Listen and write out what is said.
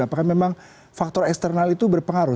apakah memang faktor eksternal itu berpengaruh